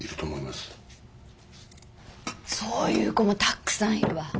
そういう子もたっくさんいるわ。